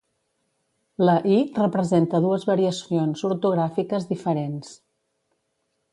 La i representa dues variacions ortogràfiques diferents.